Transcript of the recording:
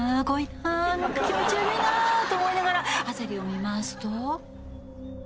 気持ち悪いなと思いながら辺りを見回すと」